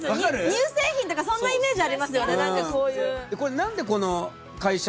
乳製品とかそんなイメージありますよね。